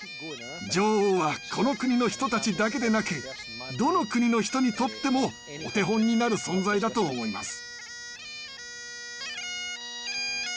女王はこの国の人たちだけでなくどの国の人にとってもお手本になる存在だと思います。